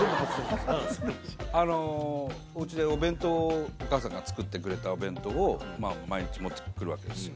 お家でお母さんが作ってくれたお弁当を毎日持って来るわけですよ。